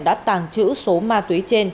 đã tàng trữ số ma túy trên